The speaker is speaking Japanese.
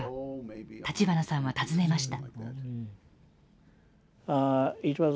立花さんは尋ねました。